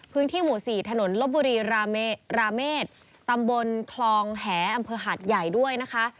พื้นที่หมู่๔ถนนลบบุรีราเมษตำบลคลองแหอำเภอหาดใหญ่ด้วยนะคะ